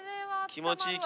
気持ちいい。